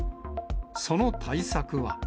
その対策は。